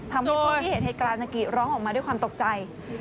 ทำให้คนที่เห็นเหตุการณ์สะกิดร้องออกมาด้วยความตกใจ